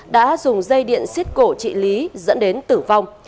đã dùng dây điện xiết cổ chị lý dẫn đến tử vong